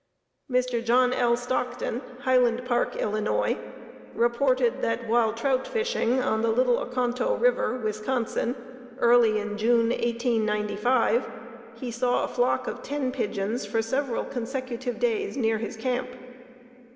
Mr. John L. Stockton, Highland Park, Ill., reported that while trout fishing on the Little Oconto River, Wis., early in June, 1895, he saw a flock of ten pigeons for several consecutive days near his camp.